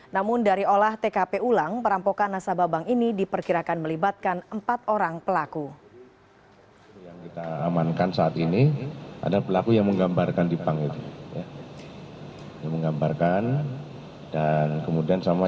namun dari olah tkp ulang perampokan nasabah bank ini diperkirakan melibatkan empat orang pelaku